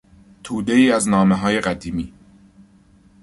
تودهای از نامههای قدیمی